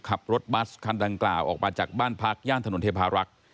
ขับรถบัสคันดังกล่าวออกมาจากบ้านพักย่านถนนเทพารักษ์